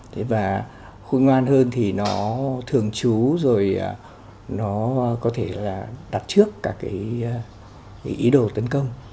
thế và khôi ngoan hơn thì nó thường trú rồi nó có thể là đặt trước cả cái ý đồ tấn công